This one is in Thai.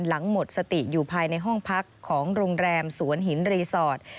หมดสติอยู่ภายในห้องพักของโรงแรมสวนหินรีสอร์ท